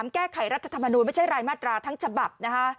แก้ไขรัฐธรรมนูญไม่ใช่รายมาตราทั้งฉบับ